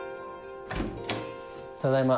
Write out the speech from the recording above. ・ただいま。